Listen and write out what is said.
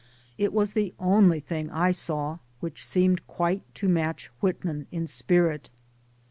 It was the only thing I saw which seemed quite to match Whitman in spirit.